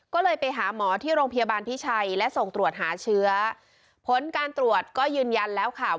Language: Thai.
ก็เลยไปหาหมอที่โรงพยาบาลพิชัยและส่งตรวจหาเชื้อผลการตรวจก็ยืนยันแล้วค่ะ